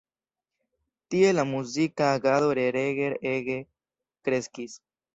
Tie la muzika agado de Reger ege kreskis.